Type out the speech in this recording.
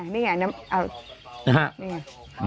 เนี่ยไงเอาเนี่ยไง